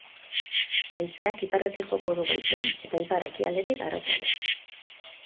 Haizeak iparretik joko du goizean eta ipar-ekialdetik arratsaldean.